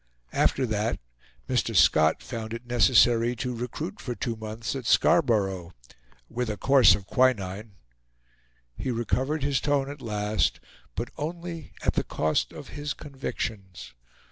After that Mr. Scott found it necessary to recruit for two months at Scarborough, "with a course of quinine." He recovered his tone at last, but only at the cost of his convictions.